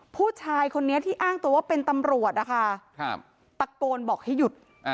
ผู้ชายคนนี้ที่อ้างตัวว่าเป็นตำรวจนะคะตะโกนบอกให้หยุด